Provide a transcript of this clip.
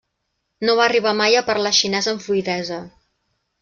No va arribar mai a parlar xinès amb fluïdesa.